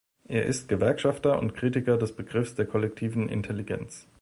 Er ist Gewerkschafter und Kritiker des Begriffs der kollektiven Intelligenz.